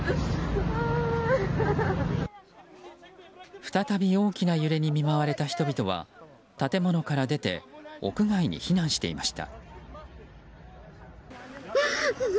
再び大きな揺れに見舞われた人々は建物から出て屋外に避難していました。